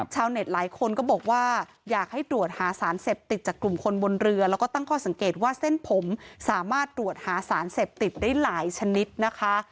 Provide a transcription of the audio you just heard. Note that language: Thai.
ชาวเน็ตหลายคนก็บอกว่าอยากให้ตรวจหาสารเสพติดจากกลุ่มคนบนเรือแล้วก็ตั้งข้อสังเกตว่าเส้นผมสามารถตรวจหาสารเสพติดได้หลายชนิดนะคะ